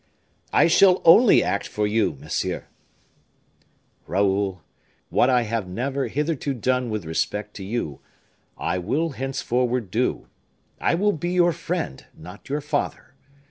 "I shall only act for you, monsieur." "Raoul, what I have never hitherto done with respect to you, I will henceforward do. I will be your friend, not your father.